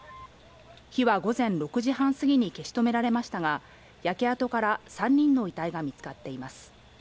火は午前６時半過ぎに消し止められましたが、焼け跡から３人の遺体が見つかっています。